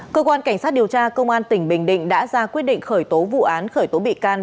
cơ quan cảnh sát điều tra công an tỉnh bình định đã ra quyết định khởi tố vụ án khởi tố bị can